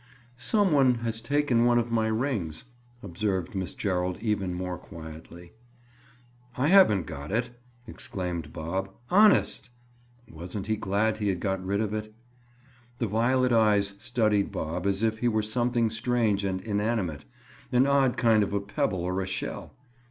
"Some one has taken one of my rings," observed Miss Gerald even more quietly. "I haven't got it," exclaimed Bob. "Honest!" Wasn't he glad he had got rid of it? The violet eyes studied Bob as if he were something strange and inanimate—an odd kind of a pebble or a shell.